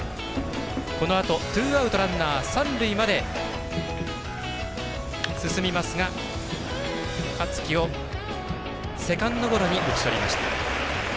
このあと、ツーアウトランナー、三塁まで進みますが香月をセカンドゴロに打ち取りました。